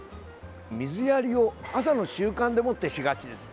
水やりを朝の習慣でもってしがちです。